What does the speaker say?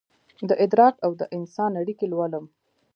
دادراک اودانسان اړیکې لولم